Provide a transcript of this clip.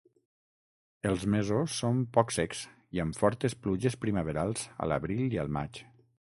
Els mesos són poc secs i amb fortes pluges primaverals a l'abril i al maig.